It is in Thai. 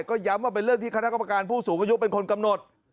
ก็ย้ำว่าเป็นเรื่องที่คณะกรรมการผู้สูงอายุเป็นคนกำหนด